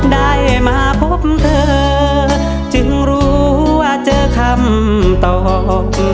ได้มาพบเธอจึงรู้ว่าเจอคำตอบ